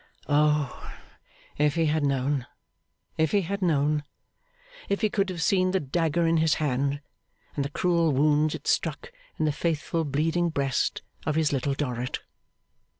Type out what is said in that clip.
O! If he had known, if he had known! If he could have seen the dagger in his hand, and the cruel wounds it struck in the faithful bleeding breast of his Little Dorrit!